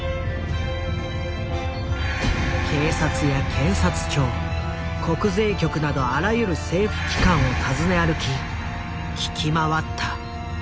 警察や検察庁国税局などあらゆる政府機関を訪ね歩き聞き回った。